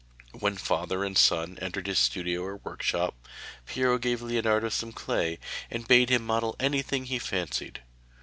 When father and son entered his studio or workshop, Piero gave Leonardo some clay, and bade him model anything he fancied.